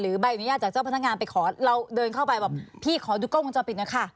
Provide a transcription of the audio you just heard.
ใบอนุญาตจากเจ้าพนักงานไปขอเราเดินเข้าไปบอกพี่ขอดูกล้องวงจรปิดหน่อยค่ะ